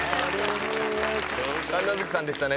神奈月さんでしたね。